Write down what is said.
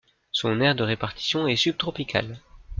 Son aire de répartition est subtropicale.